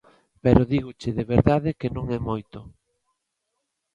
Pero dígoche de verdade que non é moito.